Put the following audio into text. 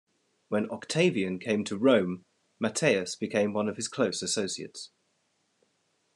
When Octavian came to Rome, Matius became one of his close associates.